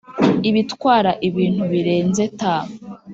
ibitwara ibintu birenze ,T